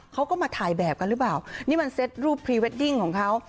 เขาก็มาถ่ายแบบกันหรือเปล่านี่มันเซ็ตรูปพรีเวดดิ้งของเขา